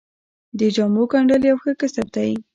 د جامو ګنډل یو ښه کسب دی